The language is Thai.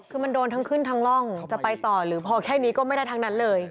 คือมันโดนทั้งขึ้นทั้งร่องจะไปต่อหรือพอแค่นี้ก็ไม่ได้ทั้งนั้นเลย